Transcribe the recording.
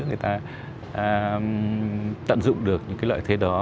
người ta tận dụng được những lợi thế đó